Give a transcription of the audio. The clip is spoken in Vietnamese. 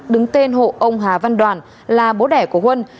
đứng tên hộ ông hà văn đoàn là bố đẻ của huân